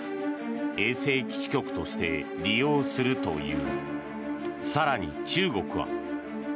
衛星基地局として利用するという。